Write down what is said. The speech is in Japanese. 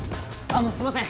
あのすみません